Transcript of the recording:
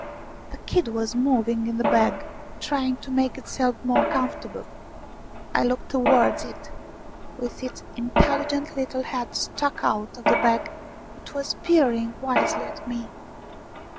The kid was moving in the bag, trying to make itself more comfortable. I looked towards it ; with its intelligent little head stuck out of the bag it was peering wisely at me.